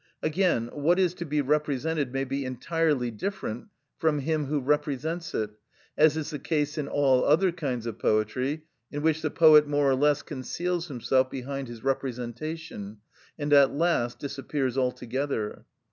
Again, what is to be represented may be entirely different from him who represents it, as is the case in all other kinds of poetry, in which the poet more or less conceals himself behind his representation, and at last disappears altogether.